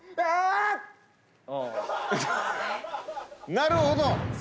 なるほど。